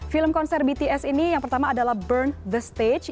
film konser bts ini yang pertama adalah burn the stage